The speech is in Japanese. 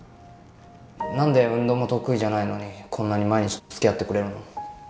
何で運動も得意じゃないのにこんなに毎日つきあってくれるの？